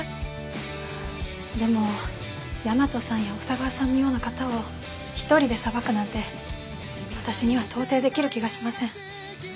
でも大和さんや小佐川さんのような方を一人でさばくなんて私には到底できる気がしません。